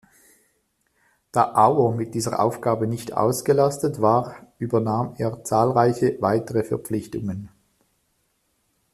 Da Auer mit dieser Aufgabe nicht ausgelastet war, übernahm er zahlreiche weitere Verpflichtungen.